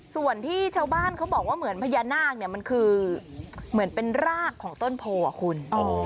ส่วนที่ชาวบ้านเขาบอกว่าเหมือนพญานาคเนี่ยมันคือเหมือนเป็นรากของต้นโพอ่ะคุณ